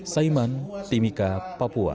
saiman timika papua